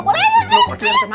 boleh boleh banget